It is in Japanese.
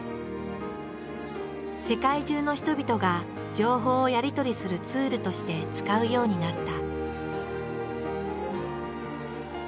世界中の人々が情報をやり取りするツールとして使うようになった。